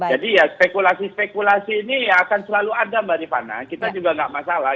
jadi ya spekulasi spekulasi ini akan selalu ada mbak rifana kita juga gak masalah